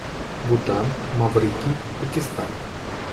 Бутан, Маврикий, Пакистан.